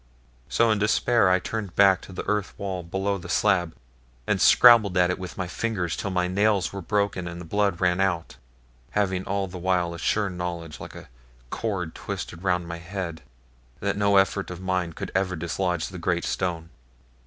So in despair I turned back to the earth wall below the slab, and scrabbled at it with my fingers, till my nails were broken and the blood ran out; having all the while a sure knowledge, like a cord twisted round my head, that no effort of mine could ever dislodge the great stone.